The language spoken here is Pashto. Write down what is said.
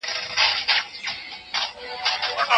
ظالمان سي تر لېوانو تر پړانګانو